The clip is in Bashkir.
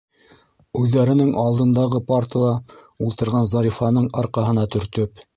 Үҙҙәренең алдындағы партала ултырған Зарифаның арҡаһына төртөп: